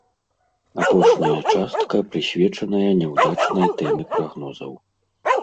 Апошняя частка прысвечаная няўдзячнай тэме прагнозаў.